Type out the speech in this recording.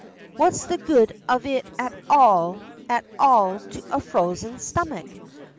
What's the good of it at all at all to a frozen stomach?